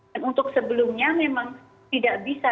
dan untuk sebelumnya memang tidak bisa